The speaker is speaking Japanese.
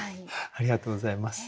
ありがとうございます。